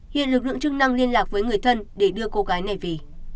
hiện lực lượng chức năng liên lạc với người thân để đưa cô gái này về